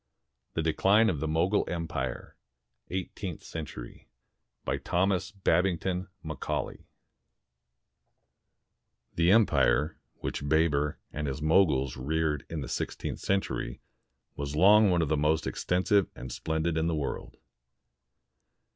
THE DECLINE OF THE MOGUL EMPIRE [Eighteenth century] BY THOMAS BABINGTON MACAULAY The empire which Baber and his Moguls reared in the sixteenth century was long one of the most extensive and splendid in the world.